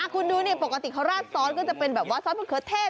คุณดูนี่ปกติเขาราดซอสก็จะเป็นแบบว่าซอสมะเขือเทศ